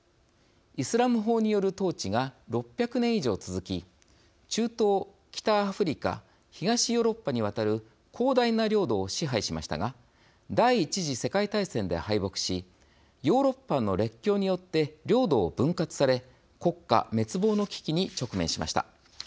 イスラム法による統治が６００年以上続き中東、北アフリカ東ヨーロッパにわたる広大な領土を支配しましたが第１次世界大戦で敗北しヨーロッパの列強によって領土を分割され国家滅亡の危機に直面しました。